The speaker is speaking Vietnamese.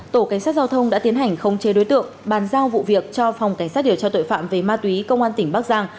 tổ cảnh sát giao thông đã tiến hành khống chế đối tượng bàn giao vụ việc cho phòng cảnh sát điều tra tội phạm về ma túy công an tỉnh bắc giang